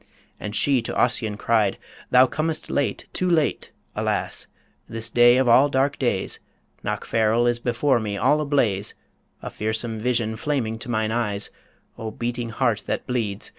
And she to Ossian cried, "Thou comest late Too late, alas! this day of all dark days Knockfarrel is before me all ablaze A fearsome vision flaming to mine eyes O beating heart that bleeds!